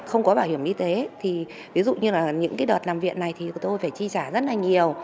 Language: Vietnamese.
không có bảo hiểm y tế thì ví dụ như là những đợt làm việc này thì tôi phải chi trả rất là nhiều